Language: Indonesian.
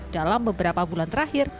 dalam beberapa bulan terakhir